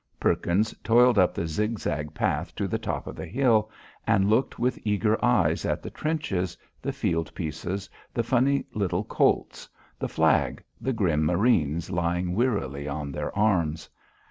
Perkins toiled up the zigzag path to the top of the hill, and looked with eager eyes at the trenches, the field pieces, the funny little Colts, the flag, the grim marines lying wearily on their arms.